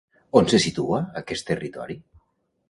On se situa aquest territori?